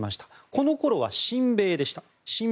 このころは親米でした。